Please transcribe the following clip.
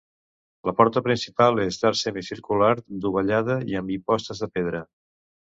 La porta principal és d'arc semicircular, dovellada i amb impostes de pedra.